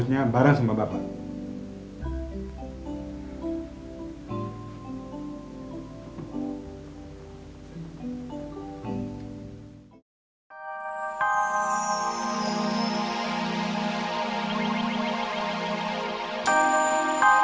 saya berangkat dulu